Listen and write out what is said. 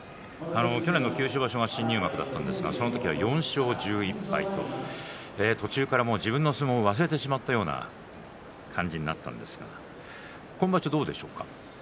去年の九州場所が新入幕だったんですがその時は４勝１１敗と途中から自分の相撲を忘れてしまったような感じになったんですが今場所はどうでしょうか。